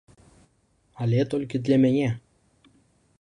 Але толькі для мяне.